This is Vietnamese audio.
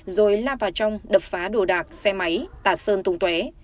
rồi la vào trong đập phá đồ đạc xe máy tạt sơn tung tuề